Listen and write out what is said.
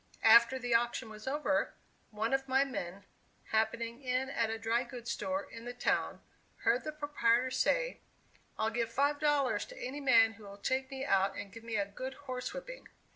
After the auction was over, one of my men, happening in at a dry goods store in the town, heard the proprietor say, "I'll give five dollars to any man who will take me out and give me a good horse whipping!